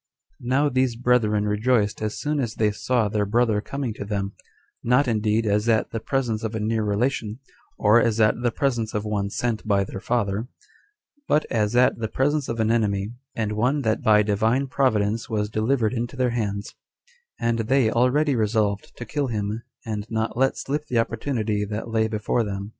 1. Now these brethren rejoiced as soon as they saw their brother coming to them, not indeed as at the presence of a near relation, or as at the presence of one sent by their father, but as at the presence of an enemy, and one that by Divine Providence was delivered into their hands; and they already resolved to kill him, and not let slip the opportunity that lay before them.